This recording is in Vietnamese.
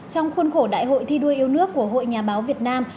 trong khuôn khổ đại hội thi đua yêu nước của hội nhà báo việt nam